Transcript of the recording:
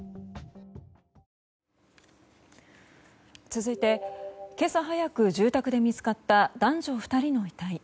続いて今朝早く住宅で見つかった男女２人の遺体。